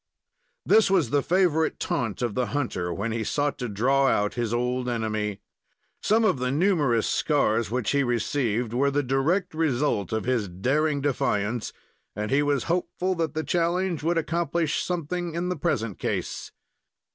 This was the favorite taunt of the hunter when he sought to draw out his old enemy. Some of the numerous scars which he received were the direct result of his daring defiance, and he was hopeful that the challenge would accomplish something in the present case.